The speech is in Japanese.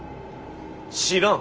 知らん。